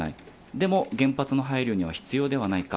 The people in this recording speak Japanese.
でも、原発の廃炉には必要ではないか。